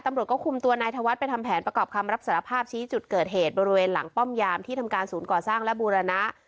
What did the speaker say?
ตำรวจก็คุมตัวนายธวัฒน์ไปทำแผนประกอบคำรับสารภาพชี้จุดเกิดเหตุบริเวณหลังป้อมยามที่ทำการศูนย์ก่อสร้างและบูรณะ